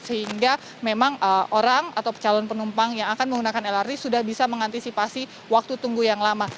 sehingga memang orang atau calon penumpang yang akan menggunakan lrt sudah bisa mengantisipasi waktu tunggu yang lama